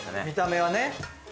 見た目はね。